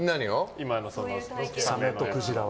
今のサメとクジラは。